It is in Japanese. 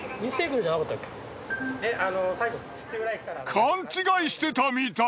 勘違いしてたみたい。